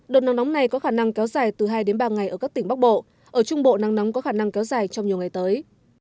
đợt nắng nóng này có khả năng kéo dài từ hai đến ba ngày ở các tỉnh bắc bộ ở trung bộ nắng nóng có khả năng kéo dài trong nhiều ngày tới